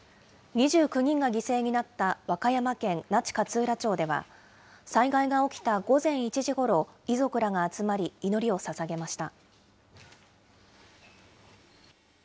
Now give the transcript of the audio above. ２９人が犠牲になった和歌山県那智勝浦町では、災害が起きた午前１時ごろ、遺族らが集まり、祈りをささげました。